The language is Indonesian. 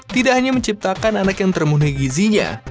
tidak hanya menciptakan anak yang termunai gizinya